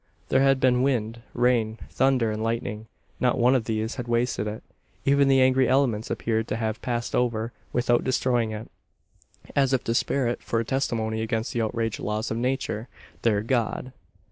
There had been wind, rain, thunder, and lightning. Not one of these had wasted it. Even the angry elements appeared to have passed over without destroying it as if to spare it for a testimony against the outraged laws of Nature their God.